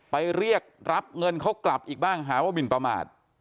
ไปเรียกรับเงินเขากลับอีกบ้างหาว่าหมินประมาท